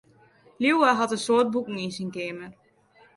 Liuwe hat in soad boeken yn syn keamer.